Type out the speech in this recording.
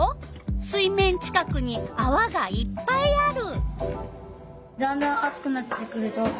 水面近くにあわがいっぱいある。